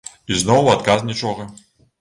Ізноў у адказ нічога.